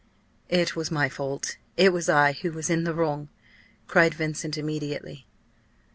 "It was my fault it was I who was in the wrong," cried Vincent immediately.